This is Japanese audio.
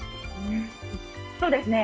そうですね。